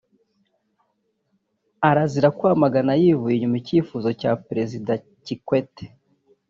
arazira kwamagana yivuye inyuma icyifuzo cya perezida Kikwete